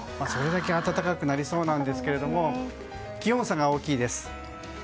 それだけ暖かくなりそうなんですけれども気温差が大きいです。